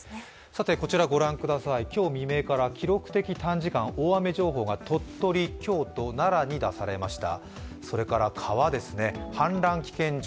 こちら、今日未明から記録的短時間大雨情報が鳥取、京都、奈良に出されました。